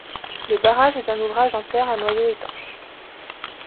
Le barrage est un ouvrage en terre à noyau étanche.